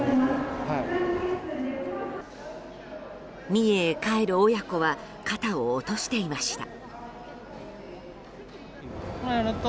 三重へ帰る親子は肩を落としていました。